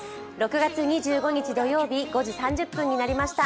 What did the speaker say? ６月２５日土曜日、５時３０分になりました。